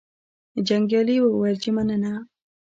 جنګیالي وویل چې مننه.